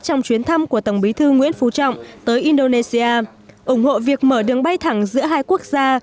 trong chuyến thăm của tổng bí thư nguyễn phú trọng tới indonesia ủng hộ việc mở đường bay thẳng giữa hai quốc gia